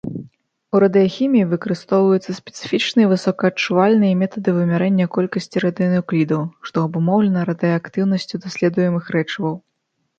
У радыяхіміі выкарыстоўваюцца спецыфічныя высокаадчувальныя метады вымярэння колькасці радыенуклідаў, што абумоўлена радыеактыўнасцю даследуемых рэчываў.